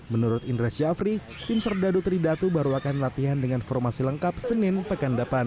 menurut indra syafri tim serdadu tridatu baru akan latihan dengan formasi lengkap senin pekan depan